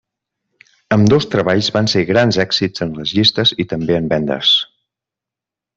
Ambdós treballs van ser grans èxits en les llistes i també en vendes.